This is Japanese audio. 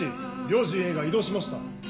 両陣営が移動しました。